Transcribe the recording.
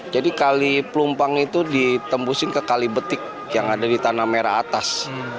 jadi kali pelumpang itu ditembusin ke kali betik yang ada di tanah merah atas